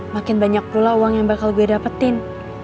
makin banyak pula uang yang bakal gue dapetin